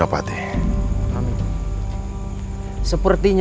aku akan ke sana